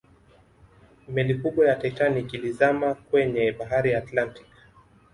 Meli kubwa ya Titanic ilizama kwenye bahari ya Atlantic